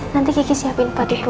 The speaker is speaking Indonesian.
nanti kiki siapin buat ibu